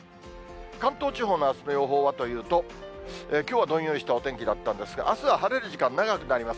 関東地方のあすの予報はというと、きょうはどんよりしたお天気だったんですが、あすは晴れる時間、長くなります。